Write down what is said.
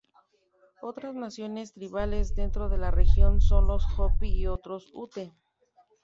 Otras naciones tribales dentro de la región son los Hopi y otros Ute.